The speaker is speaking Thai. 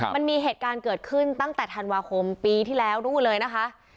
มันมีเหตุการณ์เกิดขึ้นตั้งแต่ธันวาคมปีที่แล้วนู่นเลยนะคะ